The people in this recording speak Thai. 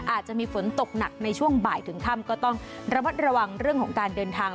อาจจะมีฝนตกหนักในช่วงบ่ายถึงค่ำก็ต้องระมัดระวังเรื่องของการเดินทาง